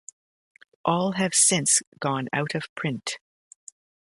All have since gone out of print.